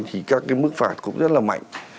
thì các cái mức phạt cũng rất là mạnh